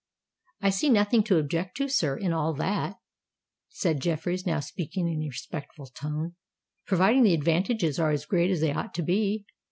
"I see nothing to object to, sir, in all that," said Jeffreys, now speaking in a respectful tone, "providing the advantages are as great as they ought to be."